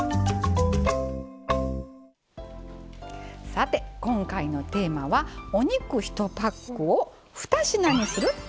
さて今回のテーマは「お肉１パックを２品にする」。